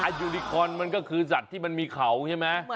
ยูนิคอนมันก็คือสัตว์ที่มันมีเขาใช่ไหม